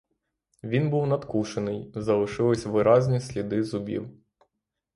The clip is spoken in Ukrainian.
Він був надкушений, залишились виразні сліди зубів.